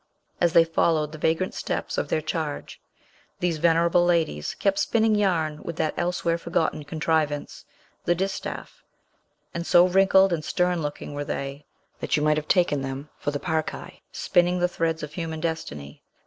As they followed the vagrant steps of their charge, these venerable ladies kept spinning yarn with that elsewhere forgotten contrivance, the distaff; and so wrinkled and stern looking were they, that you might have taken them for the Parcae, spinning the threads of human destiny.